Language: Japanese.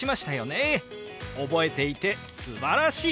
覚えていてすばらしい！